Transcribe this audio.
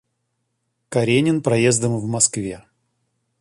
Каренин проездом в Москве.